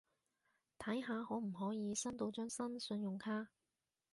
睇下可唔可以申到張新信用卡